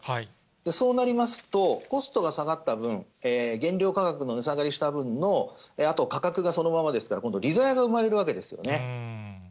そうなりますと、コストが下がった分、原料価格の値下がりした分のあと価格がそのままですから、今度、利ざやが生まれるわけですよね。